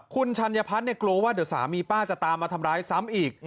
คุณชัญพัฒน์กลัวว่าเดี๋ยวสามีป้าจะตามมาทำร้ายซ้ำอีก